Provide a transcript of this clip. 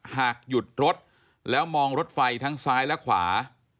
หากหยุดรถแล้วมองรถไฟทั้งซ้ายและขวา